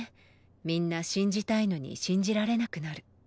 みんな信じたいのに信じられなくなる。